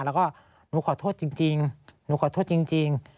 แล้วก็หนูขอโทษจริงหนูขอโทษจริง